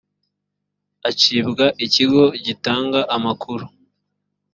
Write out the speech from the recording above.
acibwa ikigo gitanga amakuru